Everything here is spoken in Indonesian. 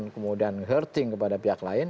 kemudian hearthing kepada pihak lain